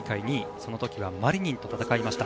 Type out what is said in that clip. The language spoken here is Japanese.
その時はマリニンと戦いました。